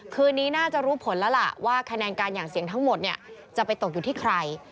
คืนนี้น่าจะรู้ผลแล้วล่ะว่าคะแนนการอย่างเสียงทั้งหมดจะไปตกอยู่ที่ใคร